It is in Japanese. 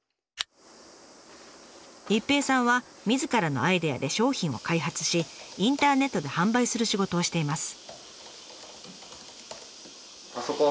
一平さんはみずからのアイデアで商品を開発しインターネットで販売する仕事をしています。